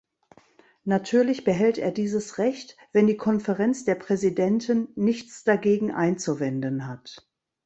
Natürlich behält er dieses Recht, wenn die Konferenz der Präsidenten nichts dagegen einzuwenden hat.